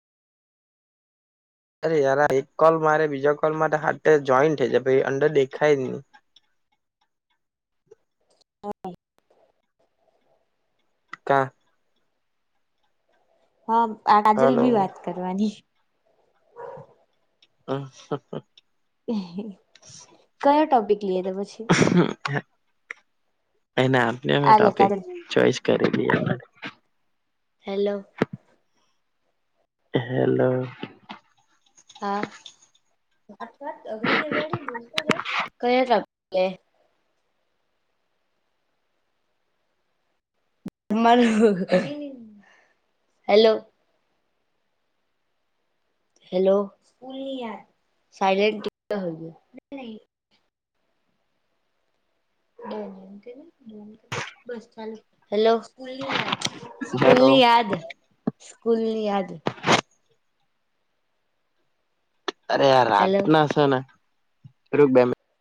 અરે યાર એક કોલ મારે બીજા કોલ મારે હાટે જોઈન્ટ થઈ જાય પછી અંડર દેખાય જ નહી. હ. કા. હા આ કાજલ હલો બી વાત કરવાની. હા હા હા. કયો ટોપિક લઈ તો પછી. એને આપને અ આ લે ટોપિક કાજલ ચોઈસ કરી લિયે. હેલો. હેલો. હા કયા topic. [unintelligible] Hello. Hello silent. Hello school hello ની યાદ સ્કૂલ ની યાદ. અરે આ રાત હેલો ના છે ને રૂક બે મિલિટ.